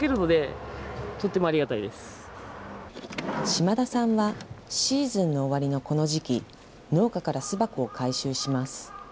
島田さんは、シーズンの終わりのこの時期、農家から巣箱を回収します。